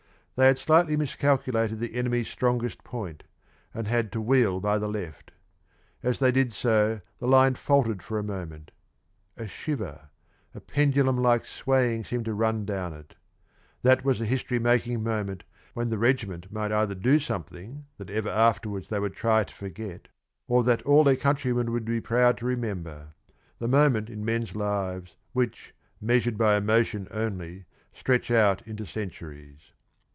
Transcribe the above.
They had slightly miscalculated the enemy's strongest point, and had to wheel by the left. As they did so the line faltered for a moment. A shiver, a pendulum like swaying seemed to run down it; that was the history making moment, when the regiment might either do something that ever afterwards they would try to forget, or that all their countrymen would be proud to remember the moment in men's lives which, measured by emotion only, stretch out into centuries.